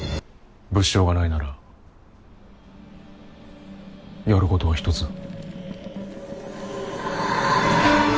物証がないならやることは１つだ。